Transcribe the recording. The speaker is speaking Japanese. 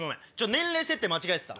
年齢設定間違えてた！